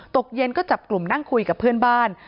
ตกเย็นก็จับกลุ่มนั่งคุยกับเพื่อนบ้าน